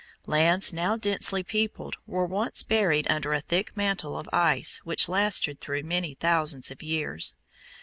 Lands now densely peopled were once buried under a thick mantle of ice which lasted through many thousands of years.